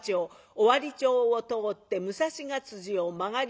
尾張町を通って武蔵ヶを曲がり堤